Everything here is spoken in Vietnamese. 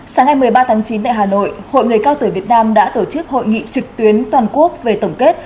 sáng ngày một mươi ba tháng chín tại hà nội hội người cao tuổi việt nam đã tổ chức hội nghị trực tuyến toàn quốc về tổng kết